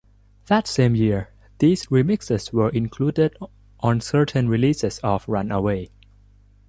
That same year these remixes were included on certain releases of "Runaway".